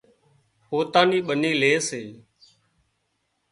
پوتان نِي ٻنِي لي سي